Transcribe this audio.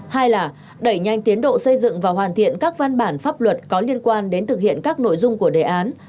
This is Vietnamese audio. hai là đẩy nhanh tiến độ xây dựng và hoàn thiện các văn bản pháp luật có liên quan đến thực hiện các nội dung của đề án